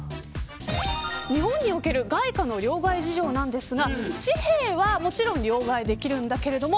日本における外貨の両替事情なんですが紙幣はもちろん両替できるんだけれども。